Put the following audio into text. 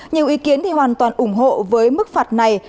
nhiều ý kiến hoàn toàn ủng hộ với mức phạt này